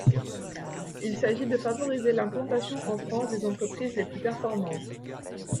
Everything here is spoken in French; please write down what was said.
Il s’agit de favoriser l’implantation en France des entreprises les plus performantes.